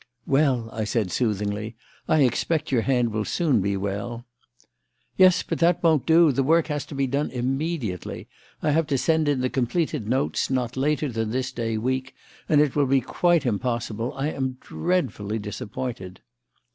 "Well," I said soothingly, "I expect your hand will soon be well." "Yes, but that won't do. The work has to be done immediately. I have to send in the completed notes not later than this day week, and it will be quite impossible. I am dreadfully disappointed."